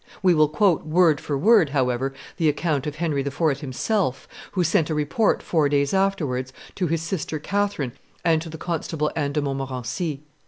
We will quote word for word, however, the account of Henry IV. himself, who sent a report four days afterwards to his sister Catherine and to the Constable Anne de Montmorency.